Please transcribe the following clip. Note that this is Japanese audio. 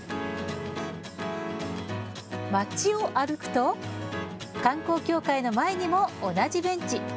町を歩くと観光協会の前にも同じベンチ。